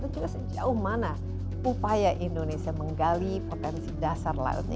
dan juga sejauh mana upaya indonesia menggali potensi dasar lautnya